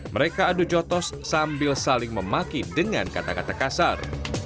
mereka adu jotos sambil saling memaki dengan kata kata kasar